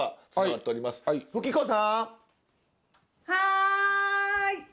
はい！